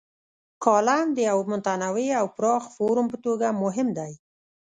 کالم د یوه متنوع او پراخ فورم په توګه مهم دی.